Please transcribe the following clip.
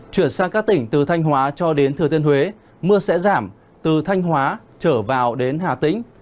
chuyển sang các tỉnh từ thanh hóa cho đến thừa thiên huế mưa sẽ giảm từ thanh hóa trở vào đến hà tĩnh